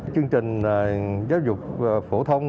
chương trình giáo dục phổ thông